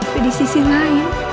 jadi sisi lain